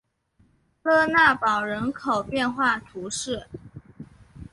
勒讷堡人口变化图示